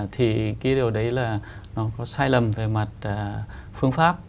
thì cái điều đấy là nó có sai lầm về mặt phương pháp